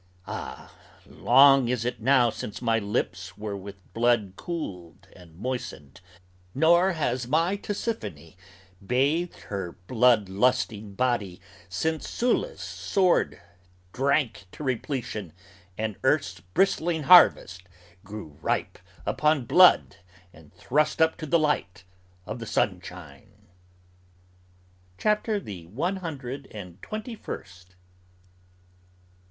Ah, long is it now since my lips were with blood cooled and moistened, Nor has my Tisiphone bathed her blood lusting body Since Sulla's sword drank to repletion and earth's bristling harvest Grew ripe upon blood and thrust up to the light of the sunshine!'" CHAPTER THE ONE HUNDRED AND TWENTY FIRST.